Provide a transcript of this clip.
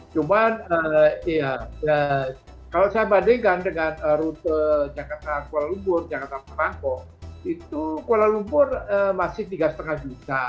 cuman kalau saya bandingkan dengan rute jakarta kuala lumpur jakarta perangko itu kuala lumpur masih tiga lima juta